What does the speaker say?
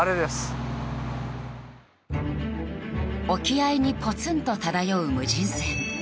沖合にポツンと漂う無人船